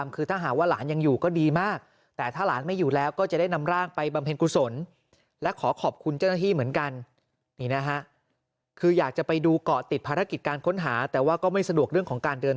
เกาะติดภารกิจการค้นหาแต่ว่าก็ไม่สะดวกเรื่องของการเดิน